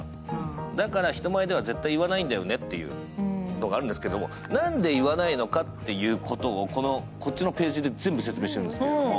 だから人前では絶対言ないんだよねというのがあるんですけど、なんで言わないのかということをこっちのペ−ジで全部説明しているんですよ。